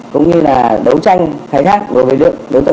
cũng như là đấu tranh khai thác đối với những đối tượng